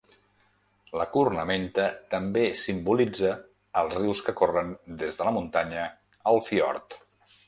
La cornamenta també simbolitza els rius que corren des de la muntanya al fiord.